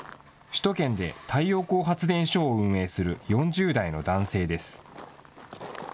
首都圏で太陽光発電所を運営する４０代の男性です。